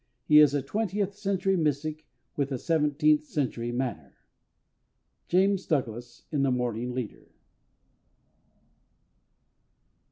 He is a twentieth century mystic with a seventeenth century manner. JAMES DOUGLAS, in The Morning Leader.